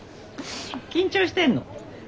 緊張してんの？